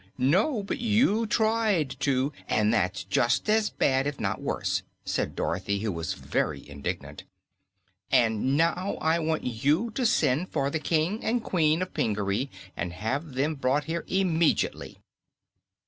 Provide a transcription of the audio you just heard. "No; but you tried to, an' that's just as bad, if not worse," said Dorothy, who was very indignant. "And now I want you to send for the King and Queen of Pingaree and have them brought here immejitly!"